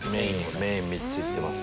メイン３ついってます。